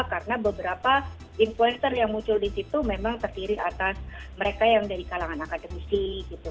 karena beberapa influencer yang muncul di situ memang terdiri atas mereka yang dari kalangan akademisi gitu